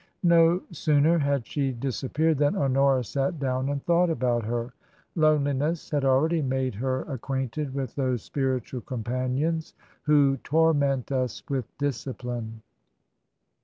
No sooner had she disappeared than Honora sat down and thought about her. Loneliness had already made her acquainted with those spiritual companions who " torment us with discipline."